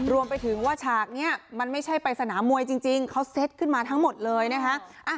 รวมไปถึงว่าฉากนี้มันไม่ใช่ไปสนามมวยจริงเขาเซ็ตขึ้นมาทั้งหมดเลยนะคะ